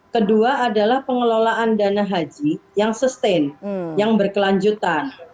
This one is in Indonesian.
kedua adalah pengelolaan dana haji yang sustain yang berkelanjutan